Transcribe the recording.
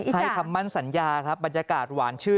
ให้คำมั่นสัญญาครับบรรยากาศหวานชื่น